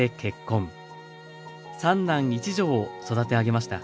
三男一女を育て上げました。